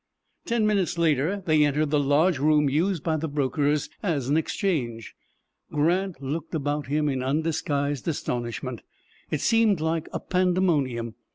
Ten minutes later they entered the large room used by the brokers as an Exchange. Grant looked about him in undisguised astonishment. It seemed like a pandemonium.